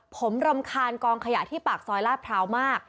ผมรำคาญกองขยะที่ปากซอยลาดพร้าวมาก